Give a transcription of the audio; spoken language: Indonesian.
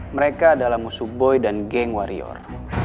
mereka adalah musuh boy dan geng warrior